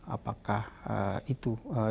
apakah itu aduan yang diperlukan